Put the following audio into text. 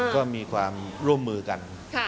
ก็มีความร่วมมือกัน